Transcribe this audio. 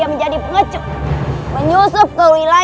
apa yang di wajah chest nggak